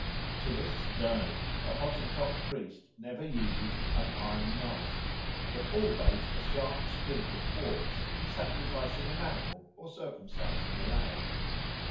To this day a Hottentot priest never uses an iron knife, but always a sharp splint of quartz, in sacrificing an animal or circumcising a lad.